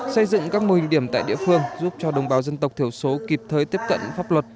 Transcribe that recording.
xây dựng các mô hình điểm tại địa phương giúp cho đồng bào dân tộc thiểu số kịp thời tiếp cận pháp luật